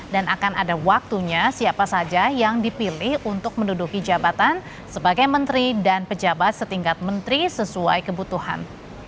dan akan ada waktunya siapa saja yang dipilih untuk menduduki jabatan sebagai menteri dan pejabat setingkat menteri sesuai kebutuhan